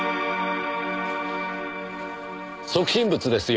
即身仏ですよ。